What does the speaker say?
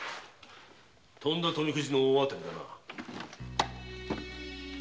とんだ富くじの大当たりだな。